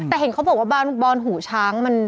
แต่เห็นเขาบอกว่าอนุ้นบอนหูช้าง